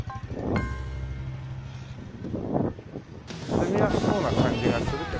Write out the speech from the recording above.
住みやすそうな感じがするけど。